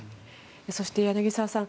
そして柳澤さん